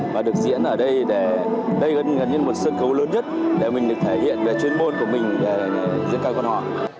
và được diễn ở đây để đây gần như một sân khấu lớn nhất để mình được thể hiện về chuyên môn của mình giữa các con họ